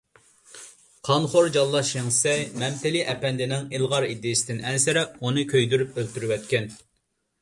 قانخور جاللات شېڭ شىسەي مەمتىلى ئەپەندىنىڭ ئىلغار ئىدىيىسىدىن ئەنسىرەپ، ئۇنى كۆيدۈرۈپ ئۆلتۈرۈۋەتكەن.